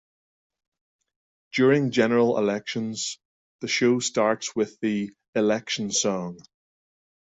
During general elections, the show starts with the 'election song'.